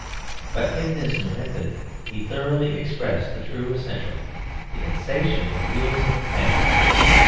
But in this new method he thoroughly expressed the true essential, the insatiable realism of passion.